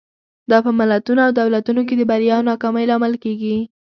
دا په ملتونو او دولتونو کې د بریا او ناکامۍ لامل کېږي.